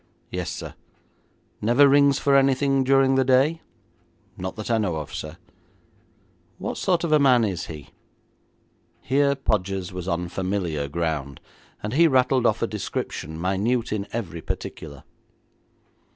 'Yes, sir.' 'Never rings for anything during the day?' 'Not that I know of, sir.' 'What sort of a man is he?' Here Podgers was on familiar ground, and he rattled off a description minute in every particular.